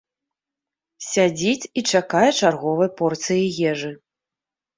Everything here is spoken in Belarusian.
Сядзіць і чакае чарговай порцыі ежы.